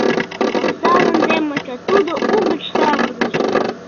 Омса лондемыште тудо угыч савырныш!: